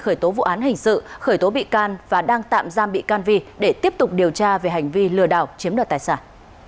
khởi tố vụ án hình sự khởi tố bị can và đang tạm giam bị can vi để tiếp tục điều tra về hành vi lừa đảo chiếm đoạt tài sản